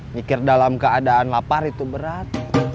mikir dalam keadaan lapar itu berat